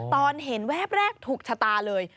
ตอนเห็นแวบแรกถูกชะตาเลย